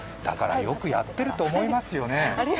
よくやってると思いますよね。